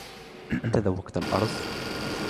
هل تذوقتَ الأرز؟